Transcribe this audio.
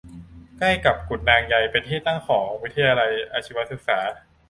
ใกล้กับกุดนางใยเป็นที่ตั้งของวิทยาลัยอาชีวศึกษา